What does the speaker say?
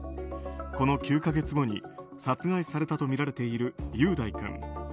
この９か月後に殺害されたとみられている雄大君。